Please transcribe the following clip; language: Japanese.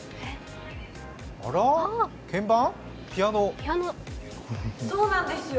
あら、鍵盤？